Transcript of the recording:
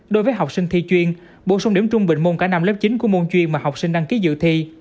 đối với học sinh thi chuyên bổ sung điểm trung bình môn cả năm lớp chín của môn chuyên mà học sinh đăng ký dự thi